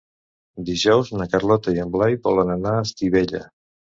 Dijous na Carlota i en Blai volen anar a Estivella.